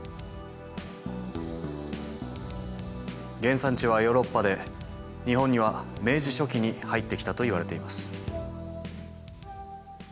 原産地はヨーロッパで日本には明治初期に入ってきたといわれています。